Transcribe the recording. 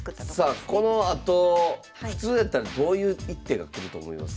さあこのあと普通やったらどういう一手が来ると思いますか？